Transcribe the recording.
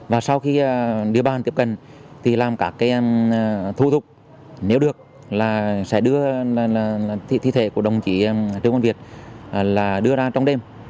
và sau khi địa bàn tiếp cận thì làm cả cái thu thục nếu được là sẽ đưa thi thể của đồng chí trung tâm hưng việt là đưa ra trong đêm